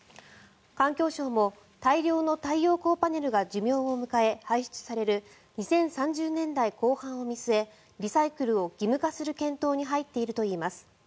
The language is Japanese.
環境省も大量の太陽光パネルが寿命を迎え排出される２０３０年代後半を見据えリサイクルを義務化する検討に入っているといいます。